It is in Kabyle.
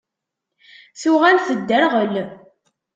Tuɣal tedderɣel.